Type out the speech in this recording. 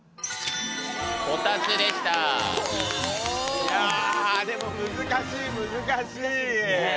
いやでも難しい難しい。